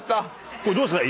これどうですか？